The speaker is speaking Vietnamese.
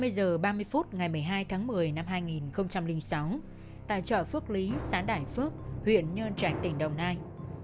hai mươi h ba mươi phút ngày một mươi hai tháng một mươi năm hai nghìn sáu tại chợ phước lý xã đại phước huyện nhơn trạch tỉnh đồng nai